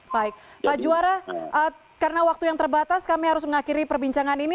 baik pak juara karena waktu yang terbatas kami harus mengakhiri perbincangan ini